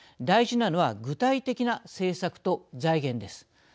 大事なのは具体的な政策と財源です。